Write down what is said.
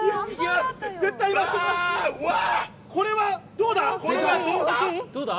これはどうだ？